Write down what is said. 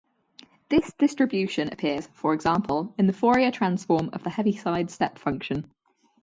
This distribution appears, for example, in the Fourier transform of the Heaviside step function.